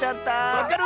わかる！